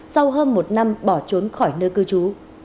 sau hơn một năm bỏ trốn khỏi nơi cư trú